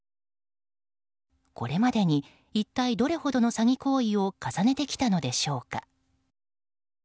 これまでに一体どれほどの詐欺行為を重ねてきたのでしょうか。